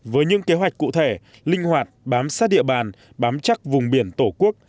với những kế hoạch cụ thể linh hoạt bám sát địa bàn bám chắc vùng biển tổ quốc